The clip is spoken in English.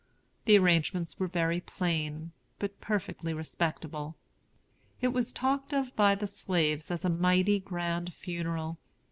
The arrangements were very plain, but perfectly respectable. It was talked of by the slaves as a mighty grand funeral.